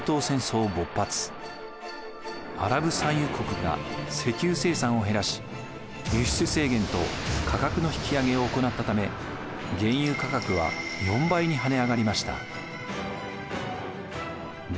アラブ産油国が石油生産を減らし輸出制限と価格の引き上げを行ったため原油価格は４倍に跳ね上がりました。